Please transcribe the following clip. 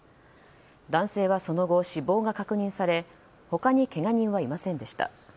男性はその後、死亡が確認され他にけが人はいませんでした。